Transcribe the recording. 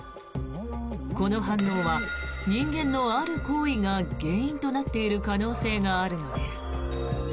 この反応は人間のある行為が原因となっている可能性があるのです。